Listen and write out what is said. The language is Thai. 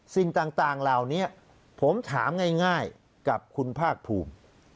สิ่งต่างเหล่านี้ผมถามง่ายกับคุณภาคภูมิ